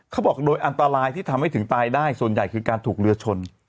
เขาบอกโดยอันตรายที่ทำให้ถึงตายได้ส่วนใหญ่คือการถูกเรือชน